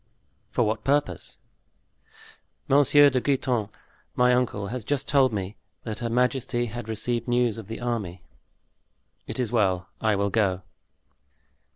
"For what purpose?" "Monsieur de Guitant, my uncle, has just told me that her majesty had received news of the army." "It is well; I will go."